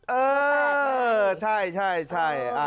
เออใช่นะฮะ